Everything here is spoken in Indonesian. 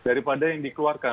dari pada yang dikeluarkan